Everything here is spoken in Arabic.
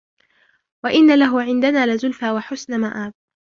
وإن له عندنا لزلفى وحسن مآب